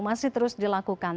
masih terus dilakukan